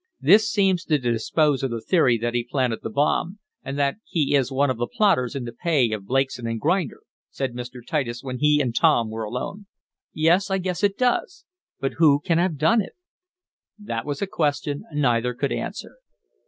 "This seems to dispose of the theory that he planted the bomb, and that he is one of the plotters in the pay of Blakeson & Grinder," said Mr. Titus, when he and Tom were alone. "Yes, I guess it does. But who can have done it?" That was a question neither could answer.